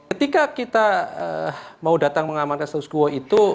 ketika kita mau datang mengamankan status quo itu